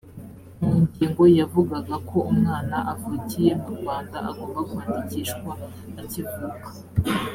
mu ngingo yavugaga ko umwana uvukiye mu rwanda agomba kwandikishwa akivuka